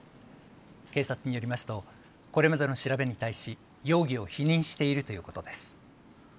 警察によりますとこれまでの調べに対し容疑を否認しているということです。